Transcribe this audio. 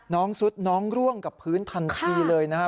ซุดน้องร่วงกับพื้นทันทีเลยนะครับ